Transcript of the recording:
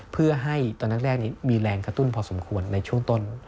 เพื่อให้ตอนแรกนี้มีแรงกระตุ้นพอสมควรในช่วงต้น